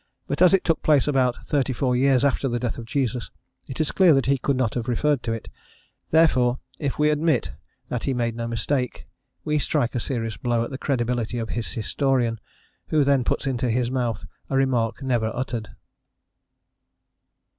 But, as it took place about thirty four years after the death of Jesus, it is clear that he could not have referred to it; therefore, if we admit that he made no mistake, we strike a serious blow at the credibility of his historian, who then puts into his mouth a remark never uttered."